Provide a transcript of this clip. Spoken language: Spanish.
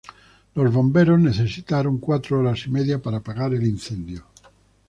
Los bomberos necesitaron cuatro horas y media para apagar el fuego.